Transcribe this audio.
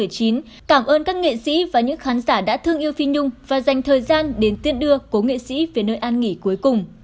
cảm ơn các nghệ sĩ và những khán giả đã thương yêu phi nhung và dành thời gian đến tiên đưa cố nghệ sĩ về nơi an nghỉ cuối cùng